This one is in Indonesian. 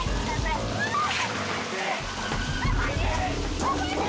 mereka akan membunuhmu